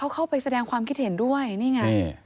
เข้าไปแสดงความคิดเห็นด้วยนี่ไง